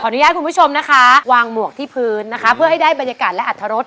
อนุญาตคุณผู้ชมนะคะวางหมวกที่พื้นนะคะเพื่อให้ได้บรรยากาศและอัตรรส